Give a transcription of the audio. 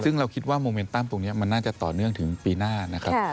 ซึ่งเราคิดว่าโมเมนตั้มตรงนี้มันน่าจะต่อเนื่องถึงปีหน้านะครับ